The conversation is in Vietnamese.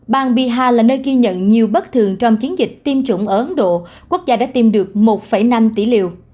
bang biha là nơi ghi nhận nhiều bất thường trong chiến dịch tiêm chủng ở ấn độ quốc gia đã tiêm được một năm tỷ liều